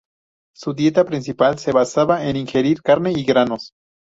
Su dieta principalmente se basaba en ingerir carne y granos.